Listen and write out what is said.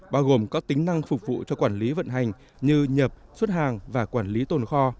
bao gồm có tính năng phục vụ cho quản lý vận hành như nhập xuất hàng và quản lý tồn kho